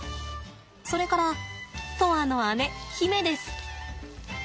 それから砥愛の姉媛です。